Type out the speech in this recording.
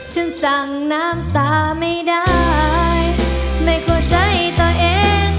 ฉันสั่งน้ำตาไม่ได้ไม่เข้าใจต่อเอง